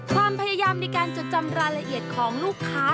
ความพยายามในการจดจำรายละเอียดของลูกค้า